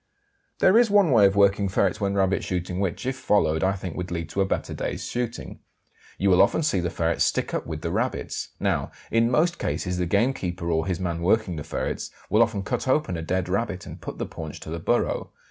There is one way of working ferrets when rabbit shooting which, if followed, I think would lead to a better day's shooting. You will often see the ferrets stick up with the rabbits. Now, in most cases the gamekeeper or his man working the ferrets will often cut open a dead rabbit and put the paunch to the burrow.